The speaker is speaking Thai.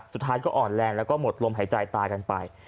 สุดท้ายก็อ่อนแรงแล้วก็หมดลมหายใจตายกันไป